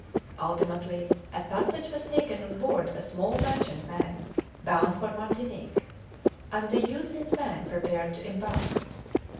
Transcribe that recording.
Ultimately, a passage was taken on board a small merchantman bound for Martinique, and the youth and man prepared to embark.